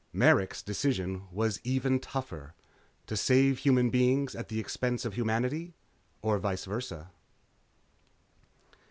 Merrick's decision was even tougher: to save human beings at the expense of humanity, or vice versa?